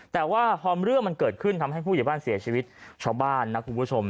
แต่ว่าพอเรื่องมันเกิดขึ้นทำให้ผู้ใหญ่บ้านเสียชีวิตชาวบ้านนะคุณผู้ชม